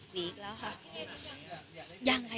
๑๑วีคแล้วค่ะ